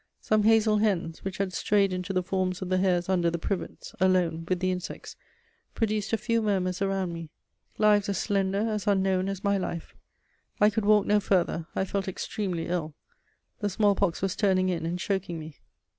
Some hazel hens, which had strayed into the forms of the hares under the privets, alone, with the insects, produced a few murmurs around me: lives as slender, as unknown, as my life. I could walk no farther; I felt extremely ill; the smallpox was turning in and choking me.